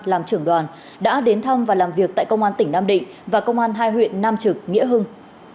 làm trưởng đoàn đã đến thăm và làm việc tại công an tỉnh nam định và công an hai huyện nam trực nghĩa hưng